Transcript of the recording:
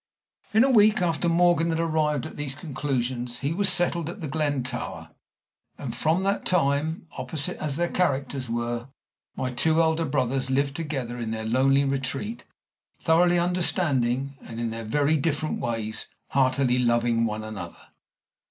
In a week after Morgan had arrived at these conclusions, he was settled at The Glen Tower; and from that time, opposite as their characters were, my two elder brothers lived together in their lonely retreat, thoroughly understanding, and, in their very different ways, heartily loving one another.